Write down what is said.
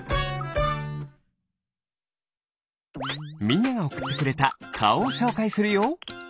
みんながおくってくれたかおをしょうかいするよ。